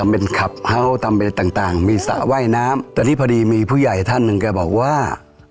ทำเป็นทำเป็นต่างต่างมีสระว่ายน้ำแต่ที่พอดีมีผู้ใหญ่ท่านหนึ่งก็บอกว่า